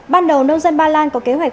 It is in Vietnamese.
ban đầu nông dân ba lan có kế hoạch